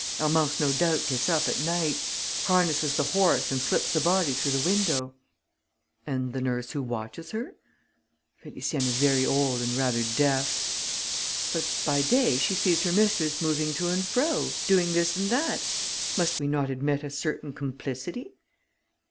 Hermance no doubt gets up at night, harnesses the horse and slips the body through the window." "And the nurse who watches her?" "Félicienne is very old and rather deaf." "But by day she sees her mistress moving to and fro, doing this and that. Must we not admit a certain complicity?"